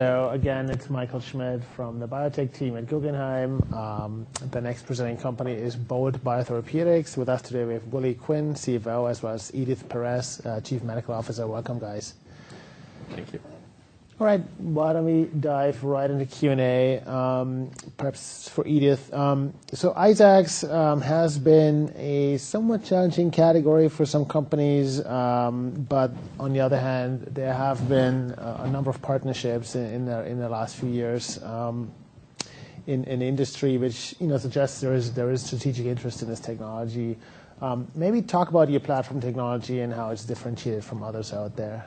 Again, it's Michael Schmidt from the biotech team at Guggenheim. The next presenting company is Bolt Biotherapeutics. With us today, we have Willie Quinn, CFO, as well as Edith Perez, Chief Medical Officer. Welcome, guys. Thank you. All right. Why don't we dive right into the Q&A, perhaps for Edith. ISACs has been a somewhat challenging category for some companies. On the other hand, there have been a number of partnerships in the last few years, in industry which, you know, suggests there is strategic interest in this technology. Maybe talk about your platform technology and how it's differentiated from others out there.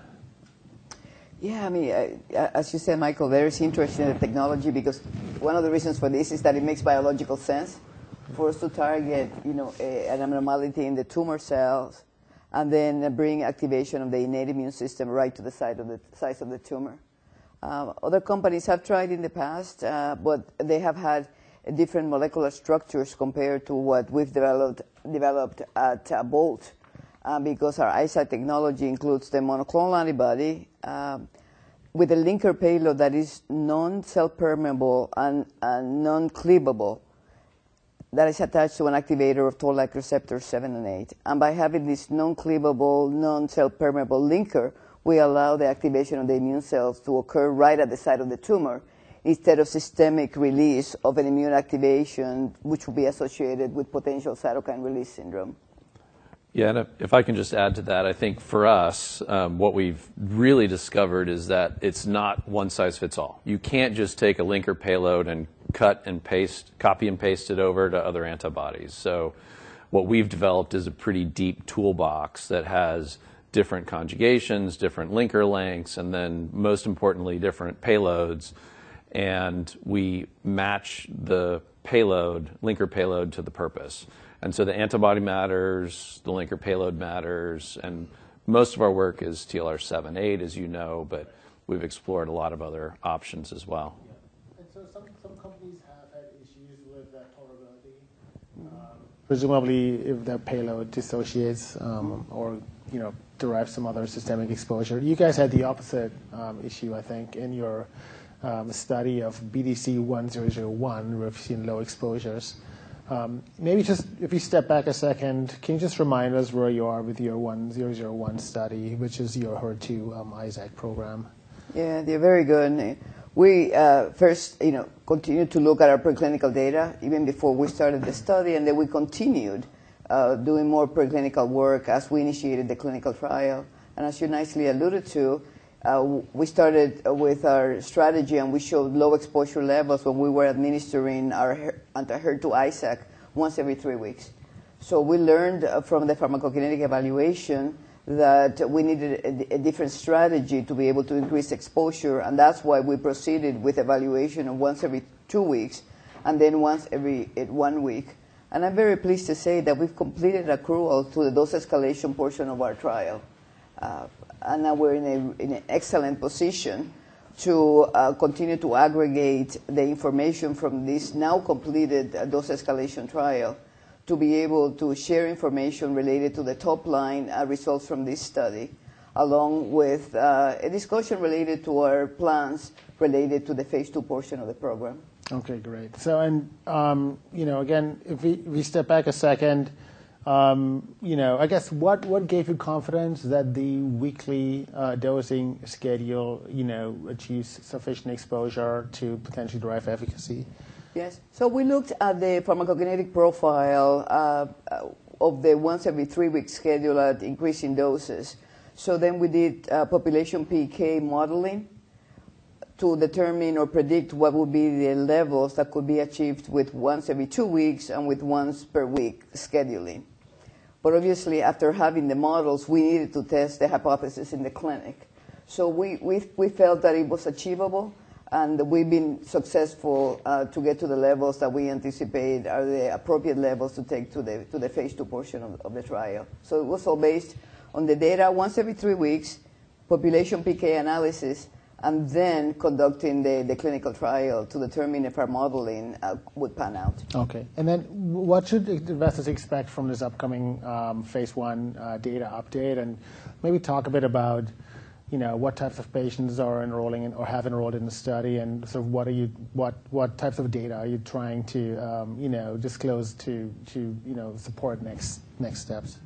Yeah. I mean, as you said, Michael, there is interest in the technology because one of the reasons for this is that it makes biological sense for us to target, you know, a, an abnormality in the tumor cells and then bring activation of the innate immune system right to the site of the tumor. They have had different molecular structures compared to what we've developed at Bolt. Our ISAC technology includes the monoclonal antibody, with a linker payload that is non-cell permeable and non-cleavable that is attached to an activator of toll-like receptor 7 and 8. By having this non-cleavable, non-cell permeable linker, we allow the activation of the immune cells to occur right at the site of the tumor instead of systemic release of an immune activation, which will be associated with potential cytokine release syndrome. Yeah. If I can just add to that, I think for us, what we've really discovered is that it's not one size fits all. You can't just take a linker payload and copy and paste it over to other antibodies. What we've developed is a pretty deep toolbox that has different conjugations, different linker lengths, and then most importantly, different payloads. We match the payload, linker payload to the purpose. The antibody matters, the linker payload matters, and most of our work is TLR7/8, as you know, but we've explored a lot of other options as well. Yeah. Some companies have had issues with that tolerability. Presumably if their payload dissociates, or, you know, derives some other systemic exposure. You guys had the opposite issue, I think, in your study of BDC-1001, where we've seen low exposures. Maybe just if you step back a second, can you just remind us where you are with your BDC-1001 study, which is your HER2 ISAC program? Yeah. They're very good. We, first, you know, continued to look at our preclinical data even before we started the study, and then we continued doing more preclinical work as we initiated the clinical trial. As you nicely alluded to, we started with our strategy, and we showed low exposure levels when we were administering our anti-HER2 ISAC once every three weeks. We learned from the pharmacokinetic evaluation that we needed a different strategy to be able to increase exposure, and that's why we proceeded with evaluation once every two weeks and then once every one week. I'm very pleased to say that we've completed accrual to the dose escalation portion of our trial. Now we're in an excellent position to continue to aggregate the information from this now completed dose escalation trial to be able to share information related to the top-line results from this study, along with a discussion related to our plans related to the phase II portion of the program. Okay. Great. You know, again, if we step back a second, you know, I guess what gave you confidence that the weekly dosing schedule, you know, achieved sufficient exposure to potentially drive efficacy? Yes. We looked at the pharmacokinetic profile of the once every three week schedule at increasing doses. We did population PK modeling to determine or predict what would be the levels that could be achieved with once every two weeks and with once per week scheduling. Obviously, after having the models, we needed to test the hypothesis in the clinic. We felt that it was achievable and that we've been successful to get to the levels that we anticipate are the appropriate levels to take to the phase II portion of the trial. It was all based on the data once every three weeks, population PK analysis, and then conducting the clinical trial to determine if our modeling would pan out. Okay. Then what should the investors expect from this upcoming phase I data update? Maybe talk a bit about, you know, what types of patients are enrolling in or have enrolled in the study, and sort of what types of data are you trying to, you know, disclose to, you know, support next steps?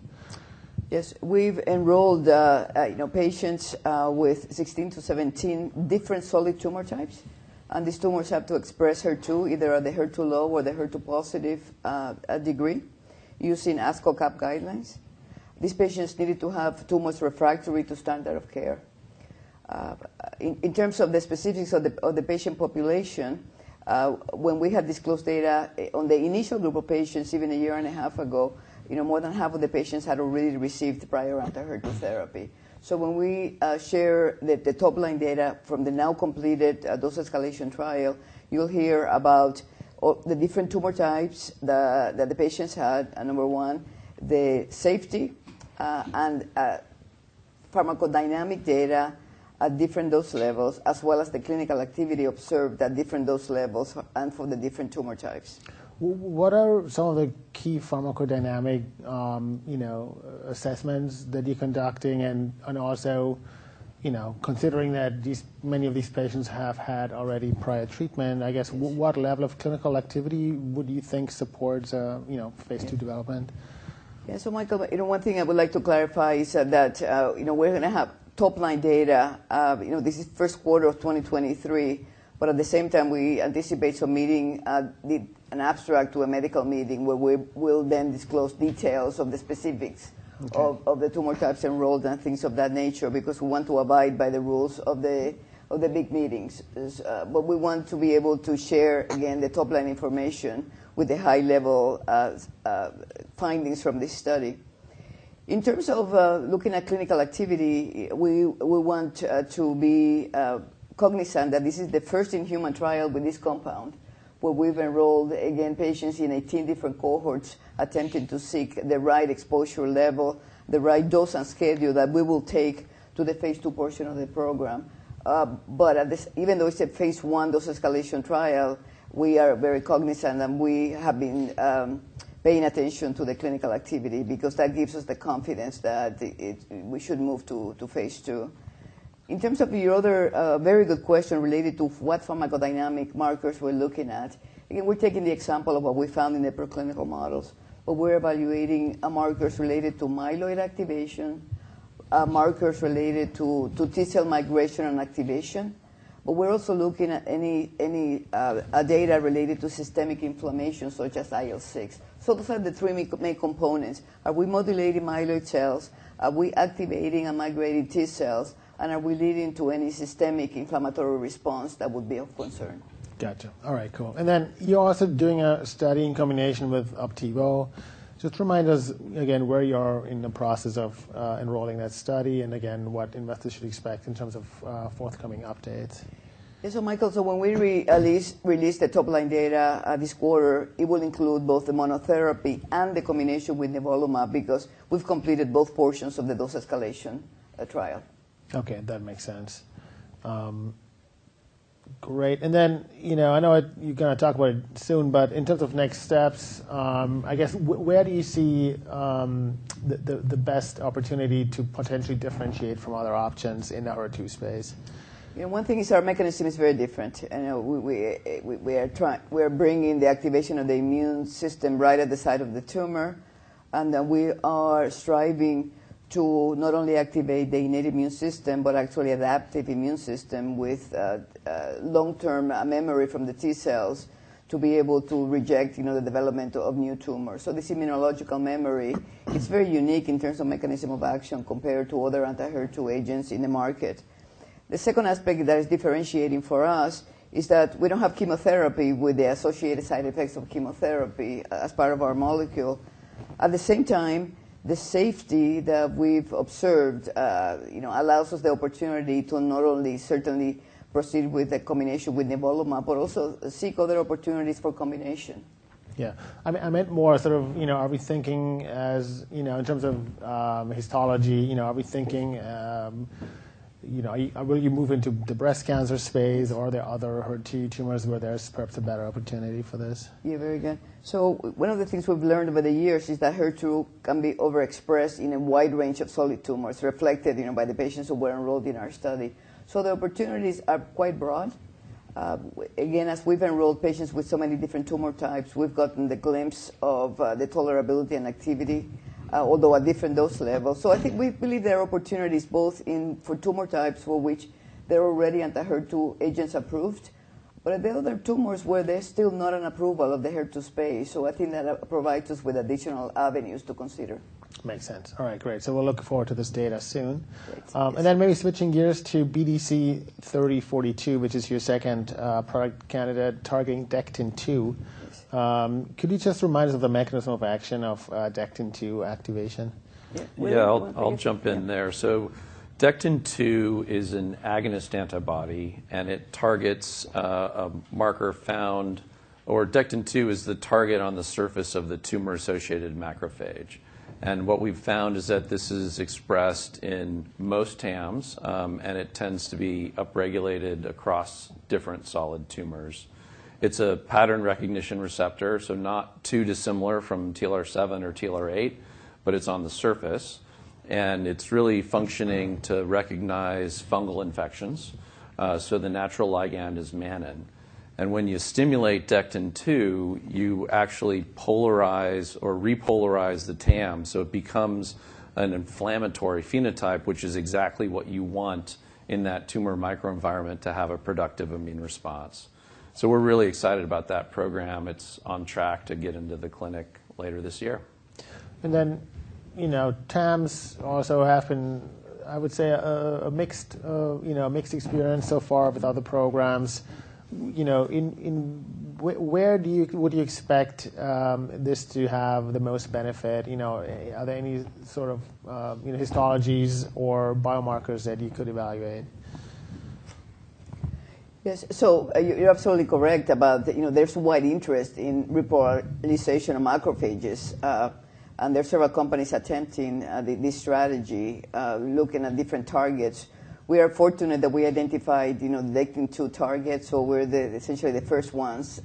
Yes. We've enrolled, you know, patients, with 16 to 17 different solid tumor types, and these tumors have to express HER2, either the HER2 low or the HER2 positive, degree using ASCO/CAP guidelines. These patients needed to have tumors refractory to standard of care. In terms of the specifics of the patient population, when we had disclosed data on the initial group of patients even a year and a half ago, you know, more than half of the patients had already received prior anti-HER2 therapy. When we share the top-line data from the now completed dose escalation trial, you'll hear about all the different tumor types that the patients had, number one, the safety, and pharmacodynamic data at different dose levels, as well as the clinical activity observed at different dose levels and for the different tumor types. What are some of the key pharmacodynamic, you know, assessments that you're conducting and also, you know, considering that many of these patients have had already prior treatment, I guess? Yes what level of clinical activity would you think supports, you know, phase 2 development? Michael, you know, one thing I would like to clarify is that, you know, we're gonna have top-line data of, you know, this is Q1 of 2023, but at the same time, we anticipate submitting an abstract to a medical meeting where we will then disclose details of the specifics-. Okay ...of the tumor types enrolled and things of that nature because we want to abide by the rules of the big meetings. We want to be able to share, again, the top-line information with the high level findings from this study. In terms of looking at clinical activity, we want to be cognizant that this is the first in human trial with this compound, where we've enrolled, again, patients in 18 different cohorts attempting to seek the right exposure level, the right dose and schedule that we will take to the phase II portion of the program. Even though it's a phase I dose escalation trial, we are very cognizant, and we have been paying attention to the clinical activity because that gives us the confidence that it, we should move to phase II. In terms of your other very good question related to what pharmacodynamic markers we're looking at, again, we're taking the example of what we found in the preclinical models, but we're evaluating markers related to myeloid activation, markers related to T cell migration and activation. We're also looking at any data related to systemic inflammation, such as IL-6. Those are the three main components. Are we modulating myeloid cells? Are we activating and migrating T cells? Are we leading to any systemic inflammatory response that would be of concern? Gotcha. All right, cool. You're also doing a study in combination with Opdivo. Just remind us again where you are in the process of enrolling that study and again, what investors should expect in terms of forthcoming updates. Yeah. Michael, so when we at least release the top-line data, this quarter, it will include both the monotherapy and the combination with nivolumab because we've completed both portions of the dose escalation, trial. Okay. That makes sense. Great. You know, I know you're gonna talk about it soon, but in terms of next steps, I guess where do you see the best opportunity to potentially differentiate from other options in the HER2 space? You know, one thing is our mechanism is very different. You know, we are bringing the activation of the immune system right at the site of the tumor, we are striving to not only activate the innate immune system but actually adaptive immune system with long-term memory from the T cells to be able to reject, you know, the development of new tumors. This immunological memory is very unique in terms of mechanism of action compared to other anti-HER2 agents in the market. The second aspect that is differentiating for us is that we don't have chemotherapy with the associated side effects of chemotherapy as part of our molecule. At the same time, the safety that we've observed, you know, allows us the opportunity to not only certainly proceed with the combination with nivolumab, but also seek other opportunities for combination. Yeah. I meant more sort of, you know, are we thinking as, you know, in terms of histology, you know, are we thinking, you know, are we moving to the breast cancer space or are there other HER2 tumors where there's perhaps a better opportunity for this? Yeah, very good. One of the things we've learned over the years is that HER2 can be overexpressed in a wide range of solid tumors reflected, you know, by the patients who were enrolled in our study. The opportunities are quite broad. Again, as we've enrolled patients with so many different tumor types, we've gotten the glimpse of the tolerability and activity, although at different dose levels. I think we believe there are opportunities both for tumor types for which there are already anti-HER2 agents approved, but there are other tumors where there's still not an approval of the HER2 space, I think that provides us with additional avenues to consider. Makes sense. All right, great. We'll look forward to this data soon. Great. Maybe switching gears to BDC-3042, which is your second, product candidate targeting Dectin-2. Yes. could you just remind us of the mechanism of action of Dectin-2 activation? We- Yeah, I'll jump in there. Dectin-2 is an agonist antibody, and it targets Or Dectin-2 is the target on the surface of the tumor-associated macrophage. What we've found is that this is expressed in most TAMs, and it tends to be upregulated across different solid tumors. It's a pattern recognition receptor, not too dissimilar from TLR7 or TLR8, it's on the surface, and it's really functioning to recognize fungal infections. The natural ligand is mannan. When you stimulate Dectin-2, you actually polarize or repolarize the TAM, it becomes an inflammatory phenotype, which is exactly what you want in that tumor microenvironment to have a productive immune response. We're really excited about that program. It's on track to get into the clinic later this year. Then, you know, TAMs also have been, I would say, a mixed, you know, a mixed experience so far with other programs. You know, where do you, would you expect this to have the most benefit? You know, are there any sort of, you know, histologies or biomarkers that you could evaluate? Yes. You're absolutely correct about, you know, there's wide interest in repolarization of macrophages. There are several companies attempting this strategy, looking at different targets. We are fortunate that we identified, you know, Dectin-2 targets, so we're the essentially the first ones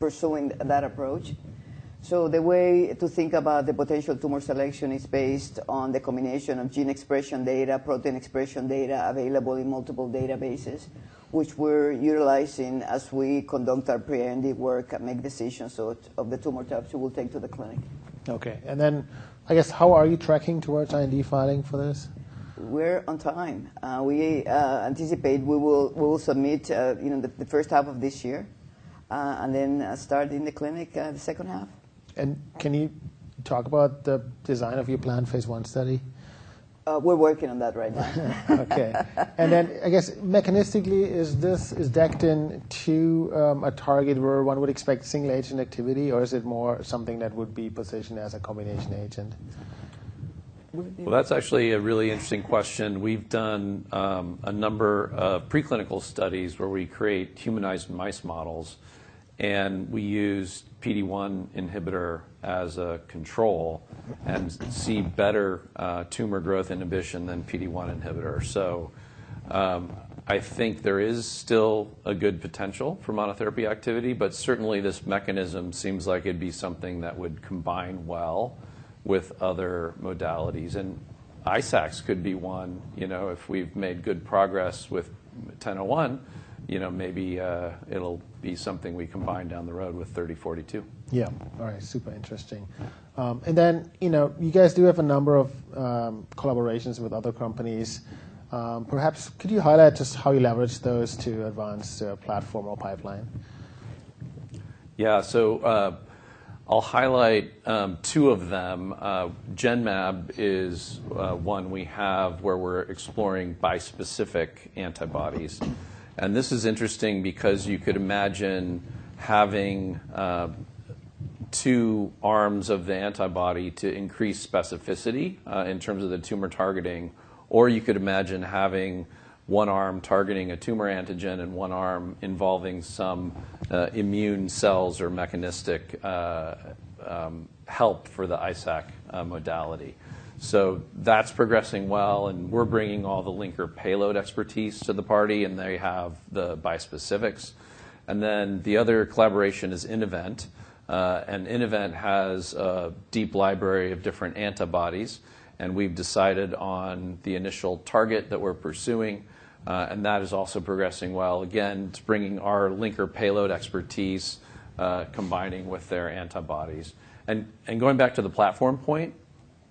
pursuing that approach. The way to think about the potential tumor selection is based on the combination of gene expression data, protein expression data available in multiple databases, which we're utilizing as we conduct our pre-IND work and make decisions so of the tumor types we will take to the clinic. Okay. I guess, how are you tracking towards IND filing for this? We're on time. We anticipate we will submit, you know, the first half of this year, and then, start in the clinic, the second half. Can you talk about the design of your planned phase one study? We're working on that right now. Okay. I guess, mechanistically, is Dectin-2 a target where one would expect single agent activity or is it more something that would be positioned as a combination agent? We- That's actually a really interesting question. We've done a number of preclinical studies where we create humanized mice models, and we use PD-1 inhibitor as a control and see better tumor growth inhibition than PD-1 inhibitor. I think there is still a good potential for monotherapy activity, but certainly this mechanism seems like it'd be something that would combine well with other modalities, and ISACs could be one. If we've made good progress with BDC-1001, you know, maybe it'll be something we combine down the road with BDC-3042. Yeah. All right. Super interesting. Then, you know, you guys do have a number of collaborations with other companies. Perhaps could you highlight just how you leverage those to advance the platform or pipeline? Yeah. I'll highlight two of them. Genmab is one we have where we're exploring bispecific antibodies. This is interesting because you could imagine having two arms of the antibody to increase specificity in terms of the tumor targeting. You could imagine having one arm targeting a tumor antigen and one arm involving some immune cells or mechanistic help for the ISAC modality. That's progressing well, and we're bringing all the linker payload expertise to the party, and they have the bispecifics. The other collaboration is Innovent. Innovent has a deep library of different antibodies, and we've decided on the initial target that we're pursuing, and that is also progressing well. Again, it's bringing our linker payload expertise, combining with their antibodies. Going back to the platform point,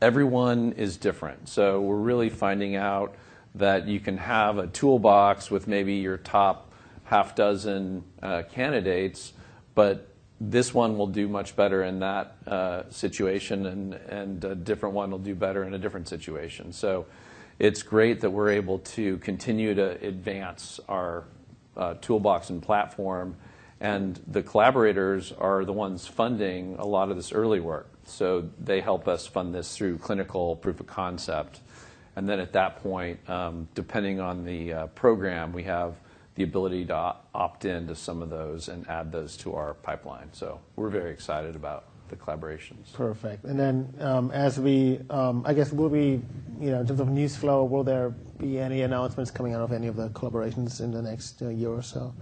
everyone is different. We're really finding out that you can have a toolbox with maybe your top half dozen candidates, but this one will do much better in that situation and a different one will do better in a different situation. It's great that we're able to continue to advance our toolbox and platform, and the collaborators are the ones funding a lot of this early work. They help us fund this through clinical proof of concept. At that point, depending on the program, we have the ability to opt in to some of those and add those to our pipeline. We're very excited about the collaborations. Perfect. I guess, you know, in terms of news flow, will there be any announcements coming out of any of the collaborations in the next year or so?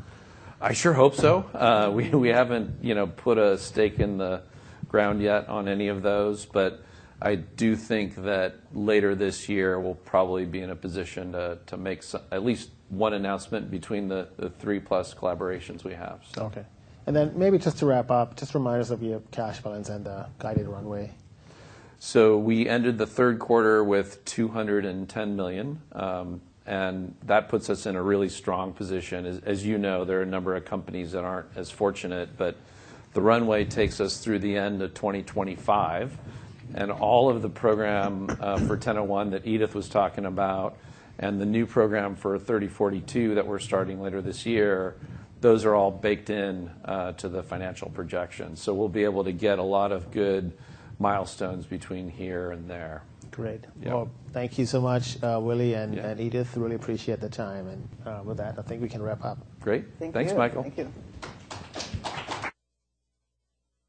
I sure hope so. We haven't, you know, put a stake in the ground yet on any of those, but I do think that later this year we'll probably be in a position to make some... at least one announcement between the three-plus collaborations we have. Okay. Then maybe just to wrap up, just remind us of your cash balance and guided runway. We ended the Q3 with $210 million, and that puts us in a really strong position. As you know, there are a number of companies that aren't as fortunate, but the runway takes us through the end of 2025. All of the program for 1001 that Edith was talking about and the new program for 3042 that we're starting later this year, those are all baked in to the financial projections. We'll be able to get a lot of good milestones between here and there. Great. Yeah. Well, thank you so much, Willie. Yeah. Edith. Really appreciate the time. With that, I think we can wrap up. Great. Thank you. Thanks, Michael. Thank you.